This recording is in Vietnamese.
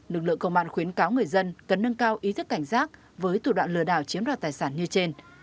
lực lượng công an khuyến cáo người dân cần nâng cao ý thức cảnh giác với thủ đoạn lừa đảo chiếm đoạt tài sản như trên